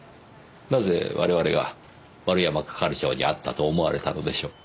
なぜ我々が丸山係長に会ったと思われたのでしょう？